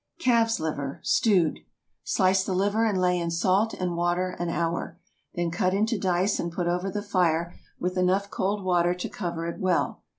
CALF'S LIVER (Stewed). Slice the liver and lay in salt and water an hour. Then cut into dice and put over the fire, with enough cold water to cover it well.